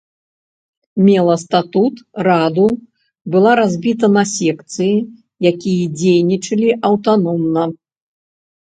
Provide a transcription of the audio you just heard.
Мела статут, раду, была разбіта на секцыі, якія дзейнічалі аўтаномна.